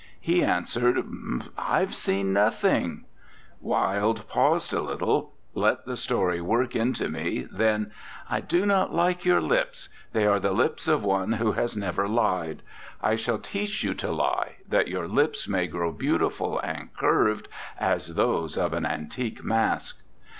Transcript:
he answered: I have seen nothing/' Wilde paused a little; let the story work into me; then: "I do not like your lips; they are the lips of one who has never lied. I shall teach you to lie, that your lips may grow beautiful and curved as those of an an tique mask.